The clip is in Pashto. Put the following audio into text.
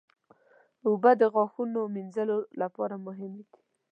اوبه د غاښونو مینځلو لپاره مهمې دي.